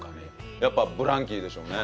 やっぱブランキーでしょうね。